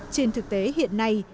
trên thực tế hiện nay